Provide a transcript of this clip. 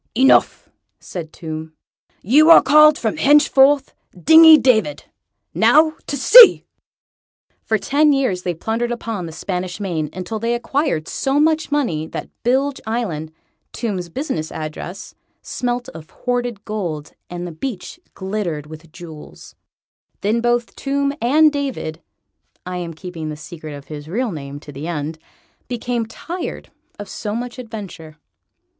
"Enough," said Tomb; "you are called from henceforth Dingy David. Now to sea!" For ten years they plundered upon the Spanish Main, until they acquired so much money that Bilge Island, Tomb's business address, smelt of hoarded gold, and the beach glittered with jewels. Then both Tomb and David I am keeping the secret of his real name to the end became tired of so much adventure.